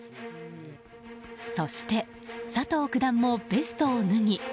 そして、佐藤九段もベストを脱ぎ。